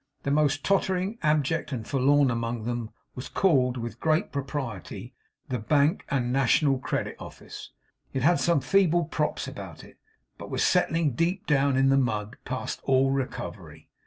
The most tottering, abject, and forlorn among them was called, with great propriety, the Bank, and National Credit Office. It had some feeble props about it, but was settling deep down in the mud, past all recovery.